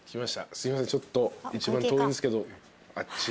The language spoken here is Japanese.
すいませんちょっと一番遠いんですけどあっちにちょっと。